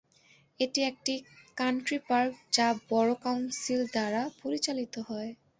এটি একটি country park যা বরো কাউন্সিল দ্বারা পরিচালিত হয়।